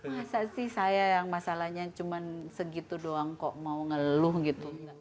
masa sih saya yang masalahnya cuma segitu doang kok mau ngeluh gitu